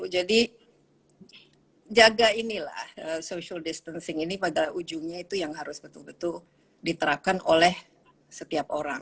jadi jaga inilah social distancing ini pada ujungnya itu yang harus betul betul diterapkan oleh setiap orang